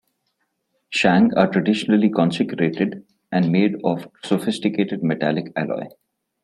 Shang are traditionally consecrated and made of sophisticated metallic alloy.